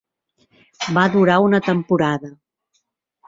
Va durar una temporada.